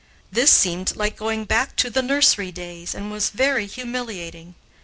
This seemed like going back to the nursery days and was very humiliating.